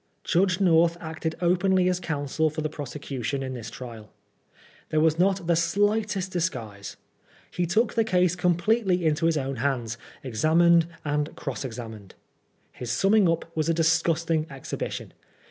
Judge North acted openly as counsel for the prose cution in this trial. There was not the slightest dis guise. He took the case completely into his own hands, examined and cross examined. His summing up was a disgusting exhibition.